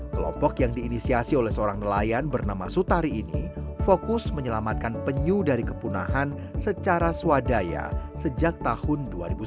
kelompok yang diinisiasi oleh seorang nelayan bernama sutari ini fokus menyelamatkan penyu dari kepunahan secara swadaya sejak tahun dua ribu sepuluh